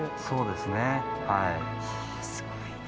そうですねはい。